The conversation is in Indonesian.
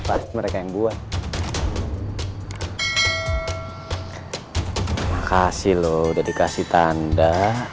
pasti mereka yang buat kasih loh udah dikasih tanda